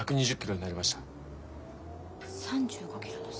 ３５キロの差。